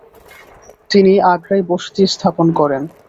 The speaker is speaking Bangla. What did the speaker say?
তিনি আগ্রায় বসতি স্থাপন করেন।